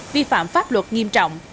vi phạm pháp luật nghiêm trọng